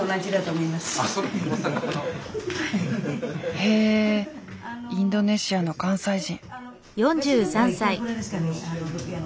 へえインドネシアの関西人。